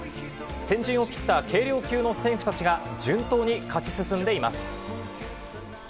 先陣を切った軽量級の選手たちが、順当に勝ち進んでいます。